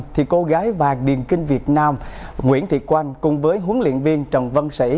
thì cô gái vàng điền kinh việt nam nguyễn thị quan cùng với huấn luyện viên trần vân sĩ